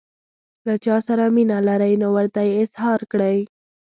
له چا سره مینه لرئ نو ورته یې اظهار کړئ.